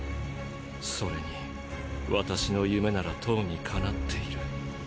それに私の夢ならとうにかなっている。